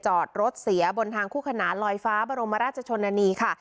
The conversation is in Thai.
จอดรถเสียบนทางคู่ขนานลอยฟ้าบรมราชชนนานีค่ะ